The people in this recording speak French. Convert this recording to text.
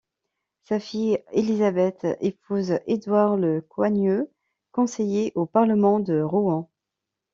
Sa fille Élisabeth épouse Édouard Le Coigneux, conseiller au Parlement de Rouen.